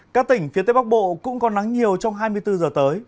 các tỉnh phía tây bắc bộ cũng có nắng nhiều trong hai mươi bốn giờ tới